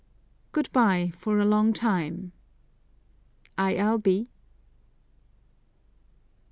Good bye for a long time. I. L. B.